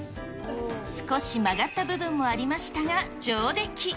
少し曲がった部分もありましたが、上出来。